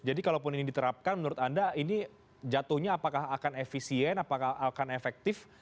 jadi kalaupun ini diterapkan menurut anda ini jatuhnya apakah akan efisien apakah akan efektif